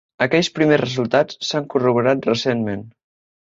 Aquells primers resultats s'han corroborat recentment.